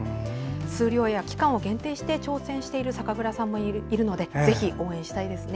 数量や期間を限定して挑戦している酒蔵さんもいるのでぜひ応援したいですね。